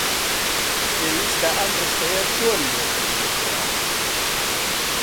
پێویستە ئەم ڕستەیە چۆن لێک بدرێتەوە؟